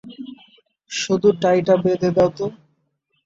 শুধু টাই টা বেঁধে দাও তো।